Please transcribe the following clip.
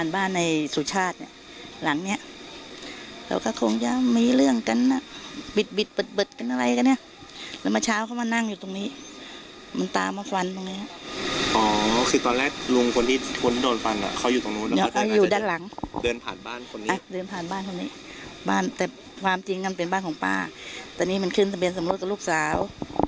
บ้านตรงนี้บ้านแต่ความจริงมันเป็นบ้านของป้าตอนนี้มันขึ้นสะเบียนสำรวจกับลูกสาว